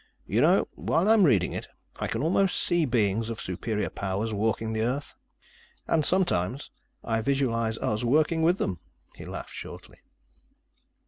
"You know, while I'm reading it, I can almost see beings of superior powers walking the earth. And sometimes, I visualize us working with them." He laughed shortly.